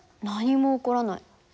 何も起こらない。